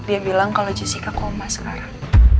dia bilang kalau jessica koma sekarang